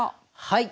はい！